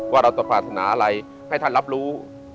ว่าเราจะปรารถนาอะไรให้ท่านรับรู้